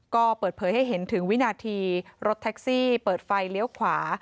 ก็เปิดเผยให้เห็นถึงวินาทีรถแท็กซี่เปิดไฟเลี้ยวขวา